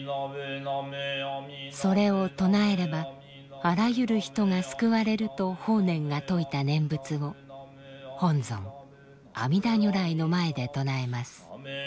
それを唱えればあらゆる人が救われると法然が説いた念仏を本尊阿弥陀如来の前で唱えます。